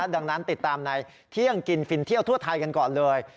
ดังนั้นติดตามในเที่ยงกินฟินเที่ยวทั่วไทยกันก่อนเลย